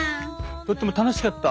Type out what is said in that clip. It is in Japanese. とっても楽しかった。